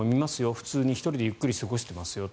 普通に１人でゆっくり過ごしてます。